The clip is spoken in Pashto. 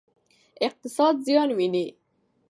اقتصاد زیان ویني.